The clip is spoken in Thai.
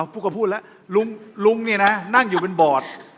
พูดแล้วลุ้งน่าอยู่เป็นบอร์ด